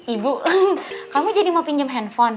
ibu kamu jadi mau pinjam handphone